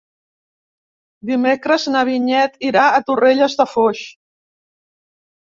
Dimecres na Vinyet irà a Torrelles de Foix.